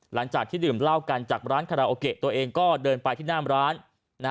หลังจากที่ดื่มเหล้ากันจากร้านคาราโอเกะตัวเองก็เดินไปที่หน้าร้าน